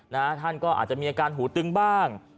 ท่านก็อาจจะมีอาการหูตึงบ้าง